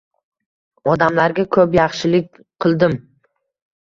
Odamlarga ko‘p yaxshilik qildim.